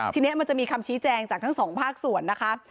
ทีนี้มันจะมีคำชี้แจงจากทั้งสองภาคส่วนนะคะ